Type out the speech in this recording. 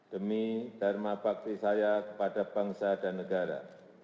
demi dharma bakti saya kepada bangsa dan negara